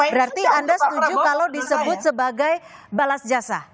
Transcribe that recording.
berarti anda setuju kalau disebut sebagai balas jasa